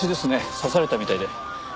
刺されたみたいで。